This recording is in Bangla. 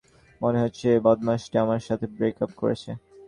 মনে হচ্ছে বদমাশটা আমার সাথে ব্রেকাপ করেছে!